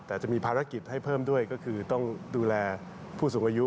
แต่จะมีภารกิจให้เพิ่มด้วยก็คือต้องดูแลผู้สูงอายุ